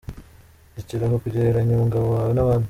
rekera aho kugereranya umugabo wawe n”abandi.